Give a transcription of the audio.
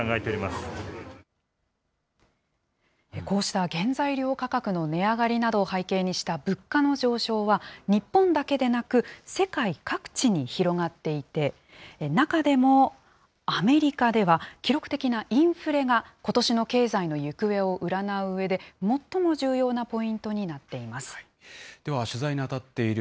こうした原材料価格の値上がりなどを背景にした物価の上昇は、日本だけでなく、世界各地に広がっていて、中でもアメリカでは、記録的なインフレがことしの経済の行方を占ううえで、最も重要な